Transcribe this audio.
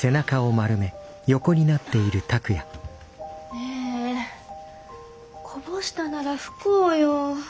ねえこぼしたなら拭こうよ。